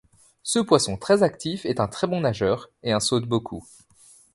Ce poisson très actif est un très bon nageur et un saute beaucoup.